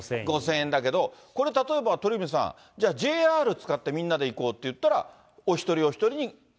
５０００円だけど、これ、例えば鳥海さん、じゃあ、ＪＲ使ってみんなで行こうっていったら、お一人お一人に５０００円